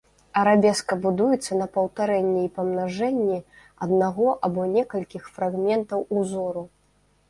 Арабеска будуецца на паўтарэнні і памнажэнні аднаго або некалькіх фрагментаў ўзору.